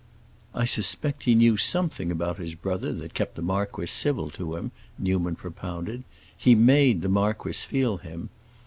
"I suspect he knew something about his brother that kept the marquis civil to him," Newman propounded; "he made the marquis feel him.